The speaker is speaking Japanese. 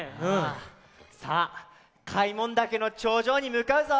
さあ開聞岳のちょうじょうにむかうぞ！